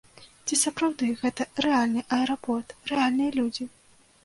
Ці сапраўды, гэта рэальны аэрапорт, рэальныя людзі?